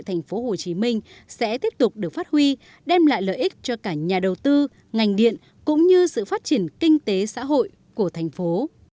tổng công ty điện kinh tế xã hội của thành phố